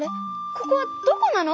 ここはどこなの？